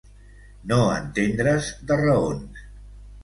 No entendre's de raons.